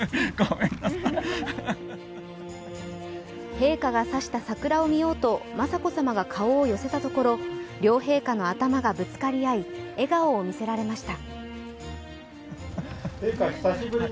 陛下が指した桜を見ようと雅子さまが顔を寄せたところ両陛下の頭がぶつかり合い笑顔を見せられました。